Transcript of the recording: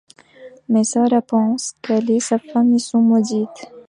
Mais Sarah pense qu'elle et sa famille sont maudites.